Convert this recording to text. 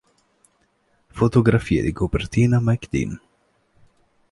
Fotografie di copertina Mike Dean.